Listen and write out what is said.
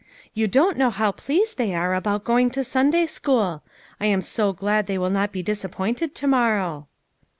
You don't know how pleased they are about going to Sunday school. I arn so glad they will not be disappointed to morrow."